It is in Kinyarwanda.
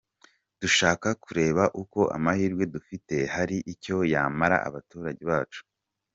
Dushaka kureba uko amahirwe dufite hari icyo yamarira Abaturage bacu.